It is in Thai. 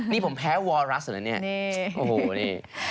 นี่ผมแพ้วรัสเหรอเนี่ยโอ้โหนี่